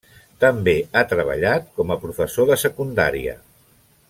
També ha treballat com a professor de secundària.